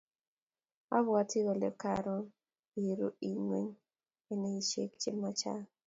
Abwati kole kararn iru ingweny enh eikisiek che machang